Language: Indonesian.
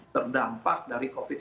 terdampak dari covid sembilan belas